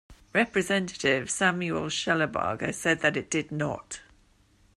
Representative Samuel Shellabarger said that it did not.